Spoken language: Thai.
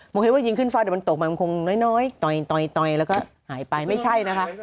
ผมคิดว่ายิงขึ้นฟ้าเดี๋ยวมันตกมามันคงน้อยต่อยแล้วก็หายไปไม่ใช่นะคะ